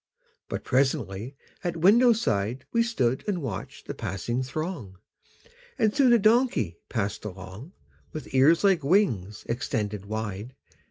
But presently at window side We stood and watched the passing throng, And soon a donkey passed along With ears like wings extended wide.